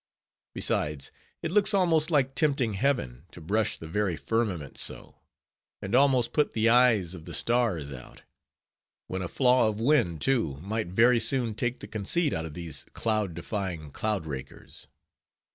Besides, it looks almost like tempting heaven, to brush the very firmament so, and almost put the eyes of the stars out; when a flaw of wind, too, might very soon take the conceit out of these cloud defying _cloud rakers.